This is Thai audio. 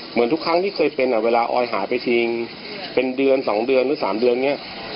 เหมือนทุกครั้งที่เคยเป็นเวลาออยหายไปจริงเป็นเดือน๒เดือนหรือ๓เดือนเนี่ย